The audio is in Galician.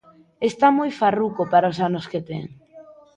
Está moi farruco para os anos que ten.